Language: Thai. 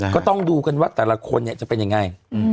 ก็ต้องดูกันว่าแต่ละคนจะเป็นอย่างไร